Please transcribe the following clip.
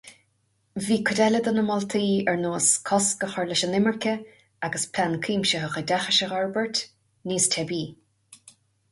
Bhí cuid eile de na moltaí, ar nós cosc a chur leis an imirce agus plean cuimsitheach oideachais a fhorbairt, níos teibí.